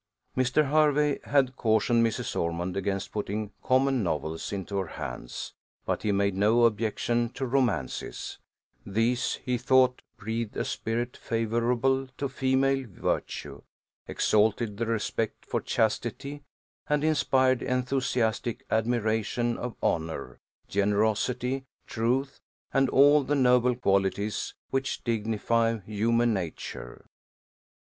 Mr. Hervey had cautioned Mrs. Ormond against putting common novels into her hands, but he made no objection to romances: these, he thought, breathed a spirit favourable to female virtue, exalted the respect for chastity, and inspired enthusiastic admiration of honour, generosity, truth, and all the noble qualities which dignify human nature.